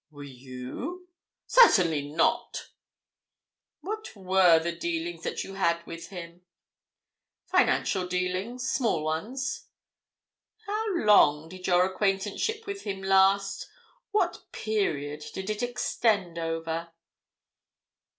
"Were you?" "Certainly not!" "What were the dealings that you had with him?" "Financial dealings—small ones." "How long did your acquaintanceship with him last—what period did it extend over?"